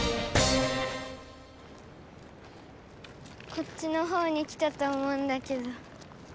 こっちのほうに来たと思うんだけど。